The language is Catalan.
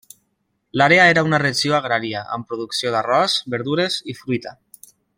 L'àrea era una regió agrària, amb producció d'arròs, verdures i fruita.